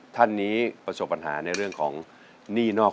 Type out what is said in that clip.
ลูกทุ่งสู้ชีวิต